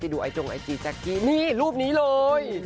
ดูไอจงไอจีแจ๊กกี้นี่รูปนี้เลย